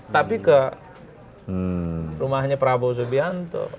tapi ke rumahnya prabowo subianto